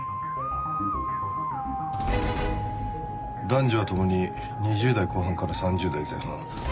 男女は共に２０代後半から３０代前半。